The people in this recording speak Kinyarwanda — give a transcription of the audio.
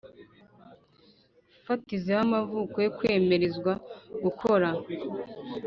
fatizo y amavuko yo kwemererwa gukora